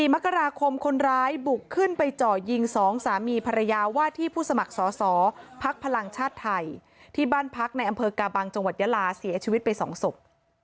มกราคมคนร้ายบุกขึ้นไปเจาะยิง๒สามีภรรยาว่าที่ผู้สมัครสอสอพักพลังชาติไทยที่บ้านพักในอำเภอกาบังจังหวัดยาลาเสียชีวิตไป๒ศพ